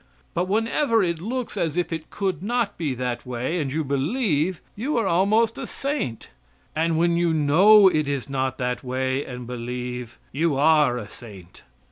But whenever it looks as if it could not be that way and you believe, you are almost a saint, and when you know it is not that way and believe, you are a saint.